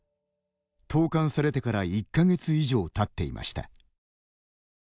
投かんされてから１か月以上たっていました。